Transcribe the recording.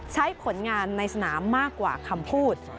ใช้ผลงานในสนามมากกว่าคำพูด